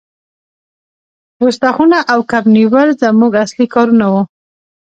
پوسته خونه او کب نیول زموږ اصلي کارونه وو